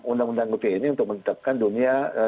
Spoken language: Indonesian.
undang undang kuhp ini untuk menertibkan dunia ee